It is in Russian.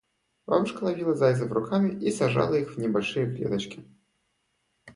Бабушка ловила зайцев руками и сажала их в небольшие клеточки.